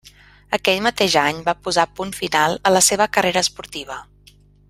Aquell mateix any va posar punt final a la seva carrera esportiva.